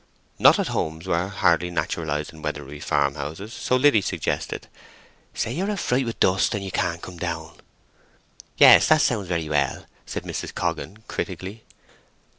Not at homes were hardly naturalized in Weatherbury farmhouses, so Liddy suggested—"Say you're a fright with dust, and can't come down." "Yes—that sounds very well," said Mrs. Coggan, critically.